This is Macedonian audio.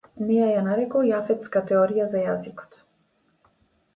Неа ја нарекол јафетска теорија за јазикот.